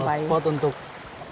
iya kalau spot untuk snorkeling atau di